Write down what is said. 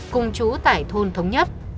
cùng chú tại thôn thống nhất